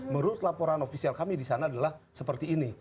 menurut laporan ofisial kami di sana adalah seperti ini